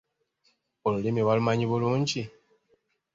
Olulimi balumanyi bulungi?